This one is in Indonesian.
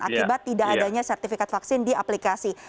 akibat tidak adanya sertifikat vaksin di aplikasi